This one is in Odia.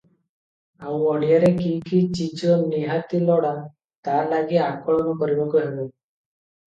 ଆଉ ଓଡ଼ିଆରେ କି କି ଚିଜ ନିହାତି ଲୋଡ଼ା ତା' ଲାଗି ଆକଳନ କରିବାକୁ ହେବ ।